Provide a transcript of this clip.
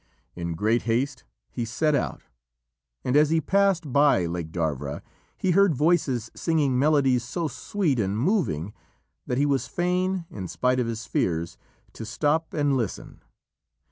In great haste he set out, and as he passed by Lake Darvra he heard voices singing melodies so sweet and moving that he was fain, in spite of his fears, to stop and listen.